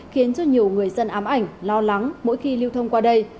khiến cho nhiều người dân ám ảnh lo lắng mỗi khi lưu thông qua đây